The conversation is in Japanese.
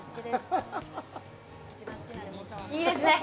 いいですね。